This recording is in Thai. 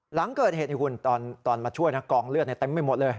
หลังเกิดเหตุนี่คุณตอนมาช่วยนะกองเลือดเต็มไปหมดเลย